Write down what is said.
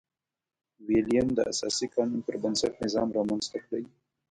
ویلیم د اساسي قانون پربنسټ نظام رامنځته کړي.